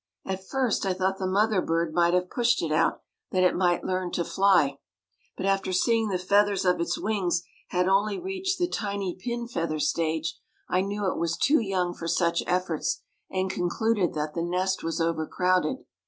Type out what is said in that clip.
At first I thought the mother bird might have pushed it out that it might learn to fly, but after seeing the feathers of its wings had only reached the tiny pin feather stage, I knew it was too young for such efforts and concluded that the nest was overcrowded.